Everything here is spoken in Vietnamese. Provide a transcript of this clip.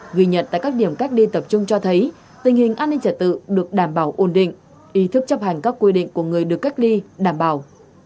ghi nhận tại các điểm cách ly tập trung cho thấy tình hình an ninh trả tự được đảm bảo ổn định ý thức chấp hành các quy định của người được cách ly đảm bảo